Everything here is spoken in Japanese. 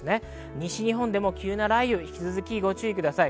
西日本でも急な雷雨、引き続き注意してください。